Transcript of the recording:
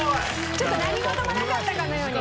ちょっと何事もなかったかのように。